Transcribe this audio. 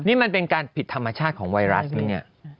นี่มันเป็นการผิดธรรมชาติของไวรัสไหมเนี่ย